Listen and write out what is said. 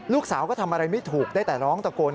ลูกสาวก็ทำอะไรไม่ถูกได้แต่ร้องตะโกน